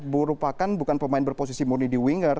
merupakan bukan pemain berposisi murni di winger